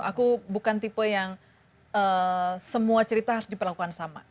aku bukan tipe yang semua cerita harus diperlakukan sama